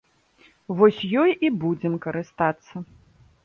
Вось ёй і будзем карыстацца.